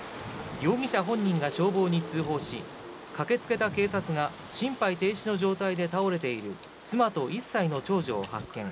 容疑者本人が消防に通報し、駆けつけた警察が心肺停止の状態で倒れている妻と１歳の長女を発見。